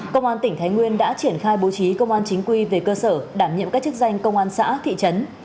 công an tỉnh thái nguyên đã triển khai bố trí công an chính quy về cơ sở đảm nhiệm các chức danh công an xã thị trấn